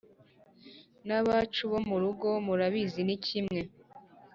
n’abacu bo mu rugano murabizi ni kimwe